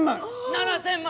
７，０００万。